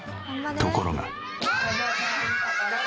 ところが。